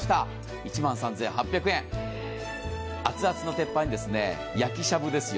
１万３８００円、熱々の鉄板に焼きしゃぶですよ